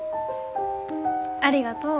ありがとう。